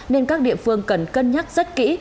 nên các địa phương cần cân nhắc rất kỹ